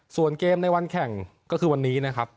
ส่วนเกมในวันแข่งก็คือวันนี้นะครับ